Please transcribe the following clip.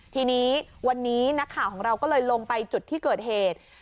ทีนี้วันนี้นักข่าวของเราก็เลยลงไปจุดที่เกิดเหตุ